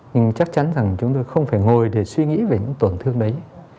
nhưng chắc chắn rằng chúng tôi không phải ngồi để suy nghĩ về những tổn thương đấy